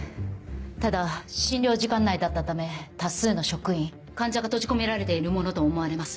ただ診療時間内だったため多数の職員患者が閉じ込められているものと思われます。